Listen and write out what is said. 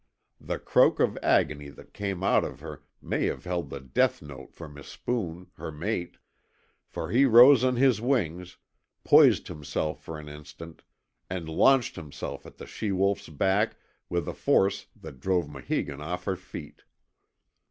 The croak of agony that came out of her may have held the death note for Mispoon, her mate; for he rose on his wings, poised himself for an instant, and launched himself at the she wolf's back with a force that drove Maheegun off her feet.